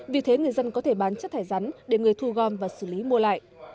vì thế người dân có thể bán chất thải rắn để người thu gom và xử lý mua lại